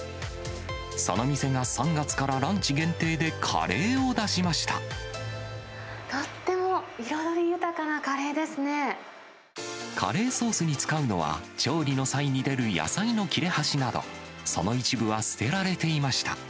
その店が３月からランチ限定でカとっても彩り豊かなカレーでカレーソースに使うのは、調理の際に出る野菜の切れ端など、その一部は捨てられていました。